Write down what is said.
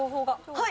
はい。